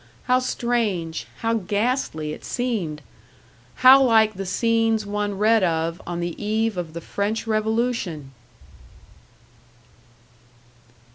How strange, how ghastly it seemed! How like the scenes one read of on the eve of the French Revolution!